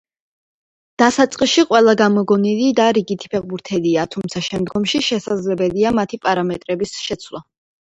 დასაწყისში ყველა გამოგონილი და რიგითი ფეხბურთელია, თუმცა შემდგომში შესაძლებელია მათი პარამეტრების შეცვლა.